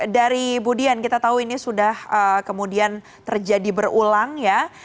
dari bu dian kita tahu ini sudah kemudian terjadi berulang ya